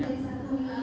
sejak sembilan bulan